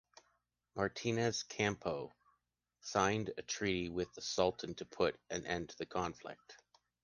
Martínez Campos signs a treaty with the Sultan to put an end to the conflict.